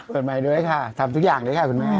กฎหมายด้วยค่ะทำทุกอย่างด้วยค่ะคุณแม่